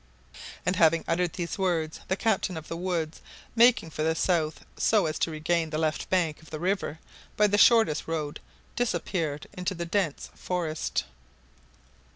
And having uttered these words the captain of the woods, making for the south so as to regain the left bank of the river by the shortest road, disappeared into the dense forest.